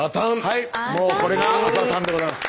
もうこれが「朝たん」でございます。